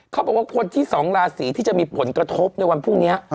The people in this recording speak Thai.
เขาบอกว่าคนที่สองราศีที่จะมีผลกระทบในวันพรุ่งนี้